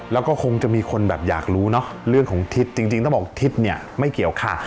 แล้วก็คงจะมีคนแบบอยากรู้เนอะเรื่องของทิศจริงต้องบอกทิศเนี่ยไม่เกี่ยวค่ะ